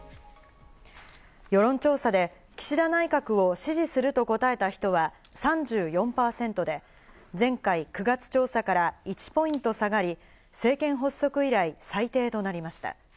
世論調査で岸田内閣を支持すると答えた人は３４％で、前回の９月調査から１ポイント下がり、政権発足以来、最低となりました。